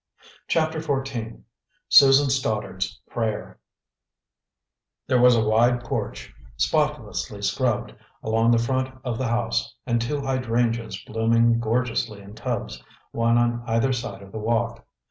CHAPTER XIV SUSAN STODDARD'S PRAYER There was a wide porch, spotlessly scrubbed, along the front of the house, and two hydrangeas blooming gorgeously in tubs, one on either side of the walk.